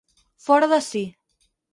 Fora de si.